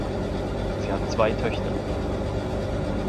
Sie hat zwei Töchter.